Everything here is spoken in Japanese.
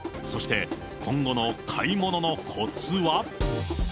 そして、今後の買い物のこつは。